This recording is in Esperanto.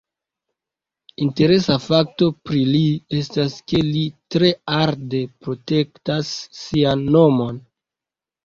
Interesa fakto pri li estas, ke li tre arde protektas sian nomon.